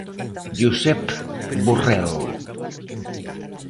Josep Borrell.